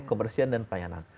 kebersihan dan pelayanan